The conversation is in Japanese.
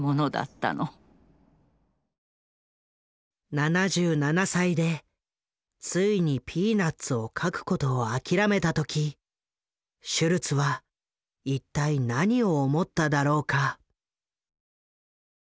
７７歳でついに「ピーナッツ」を描くことを諦めた時シュルツは一体何を思っただろうか？